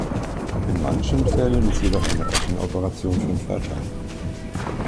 In manchen Fällen ist jedoch eine offene Operation von Vorteil.